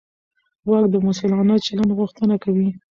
واک د مسوولانه چلند غوښتنه کوي.